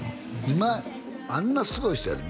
今あんなすごい人やで？